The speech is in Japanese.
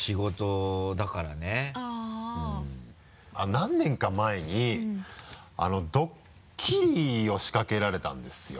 何年か前にドッキリを仕掛けられたんですよ。